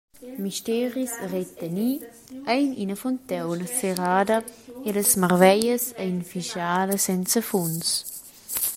Misteris reteni ein ina fontauna serrada e las marveglias ein vischala senza funs.